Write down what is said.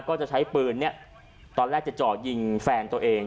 ก็จะใช้ปืนเนี่ยตอนแรกจะจ่อยิงแฟนตัวเอง